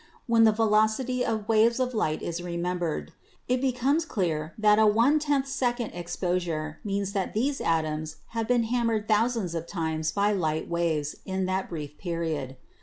When the velocity of waves of light is remembered, it becomes clear that a 1 /,* second exposure means that these atoms have been ham mered thousands of times by light waves in that brief period.